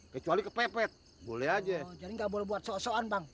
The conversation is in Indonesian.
kecuali kepepet boleh aja jadi nggak boleh buat sok soan bang